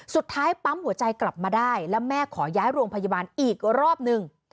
สุดท้ายปั๊มหัวใจกลับมาได้แล้วแม่ขอย้ายโรงพยาบาลอีกรอบนึง